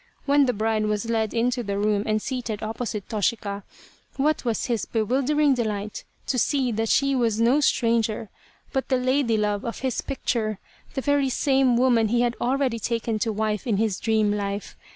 When the bride was led into the room and seated opposite Toshika, what was his bewildering delight to see that she was no stranger but the lady love of his picture, the very same woman he had already taken to wife in his dream life.